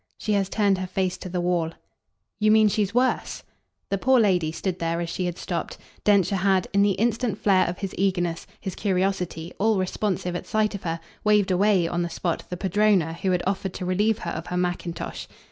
"She has turned her face to the wall." "You mean she's worse?" The poor lady stood there as she had stopped; Densher had, in the instant flare of his eagerness, his curiosity, all responsive at sight of her, waved away, on the spot, the padrona, who had offered to relieve her of her mackintosh.